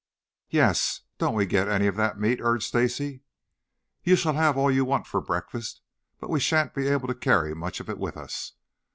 "Yes, don't we get any of that meat?" urged Stacy. "You shall all have all you want for breakfast, but we shan't be able to carry much of it with us.